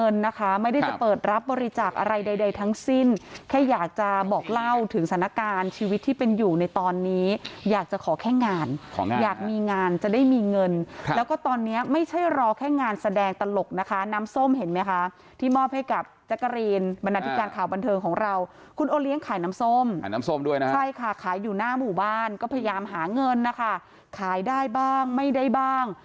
แล้วจะเมตตาเงินนะคะขายได้บ้างไม่ได้บ้าง